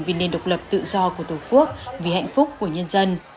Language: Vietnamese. vì nền độc lập tự do của tổ quốc vì hạnh phúc của nhân dân